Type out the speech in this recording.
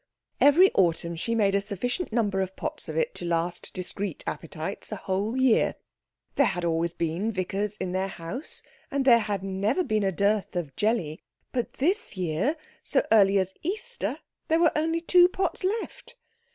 Every autumn she made a sufficient number of pots of it to last discreet appetites a whole year. There had always been vicars in their house, and there had never been a dearth of jelly. But this year, so early as Easter, there were only two pots left.